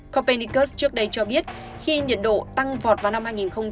copernicus trước đây cho biết khi nhiệt độ tăng vọt vào năm hai nghìn hai mươi ba